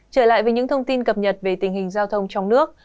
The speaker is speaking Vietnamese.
trở lại với những thông tin cập nhật về tình hình giao thông trong nước